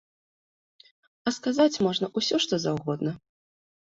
А сказаць можна ўсё што заўгодна.